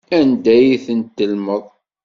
Anda ay tent-tellmeḍ?